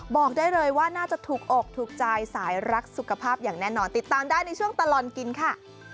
บอกได้เลยว่าน่าจะถูกอกถูกใจสายรักสุขภาพอย่างแน่นอนติดตามได้ในช่วงตลอดกินค่ะ